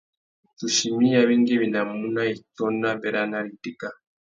Tsuchimi i awéngüéwinamú nà itsôna béranari itéka.